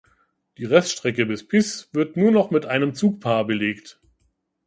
Die Reststrecke bis Pisz wird nur noch mit einem Zugpaar belegt.